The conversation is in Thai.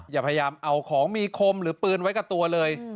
อย่าพยายามเอาของมีคมหรือปืนไว้กับตัวเลย